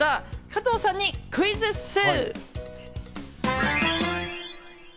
加藤さんにクイズッス！